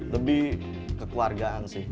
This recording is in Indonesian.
lebih kekeluargaan sih